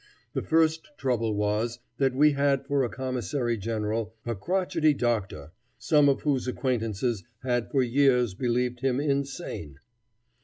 The first trouble was, that we had for a commissary general a crotchety doctor, some of whose acquaintances had for years believed him insane.